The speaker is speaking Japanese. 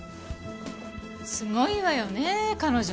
すごいわよねえ彼女。